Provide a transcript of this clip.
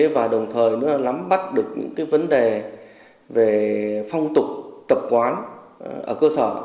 và đồng thời nó lắm bắt được những vấn đề về phong tục tập quán ở cơ sở